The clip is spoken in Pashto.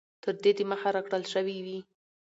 تر دې د مخه را كړل شوي وې